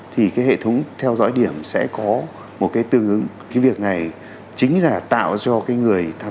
thì cái hệ thống theo dõi điểm sẽ có một cái tương ứng cái việc này chính là tạo cho cái người tham